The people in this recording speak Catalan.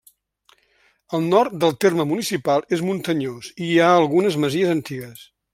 El nord del terme municipal és muntanyós i hi ha algunes masies antigues.